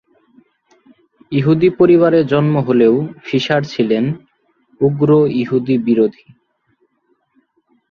ইহুদী পরিবারে জন্ম হলেও ফিশার ছিলেন উগ্র ইহুদী-বিরোধী।